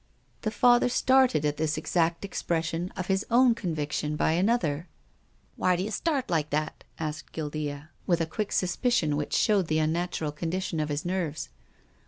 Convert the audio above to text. The Father started at this exact expression of his own conviction by another. " Why d'you start like that?" asked Guildea, with a quick suspicion which showed the unnatural condition of his nerves.